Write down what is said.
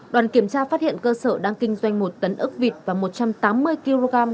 đoàn kiểm tra phát hiện cơ sở đang kinh doanh một tấn ốc vịt và một trăm tám mươi kg